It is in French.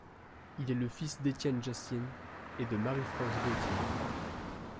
Il est le fils d'Étienne Justin et de Marie-France Vautier.